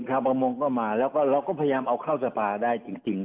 ประมงก็มาแล้วก็เราก็พยายามเอาเข้าสภาได้จริง